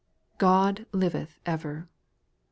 8. God liveth ever !